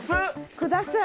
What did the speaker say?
ください。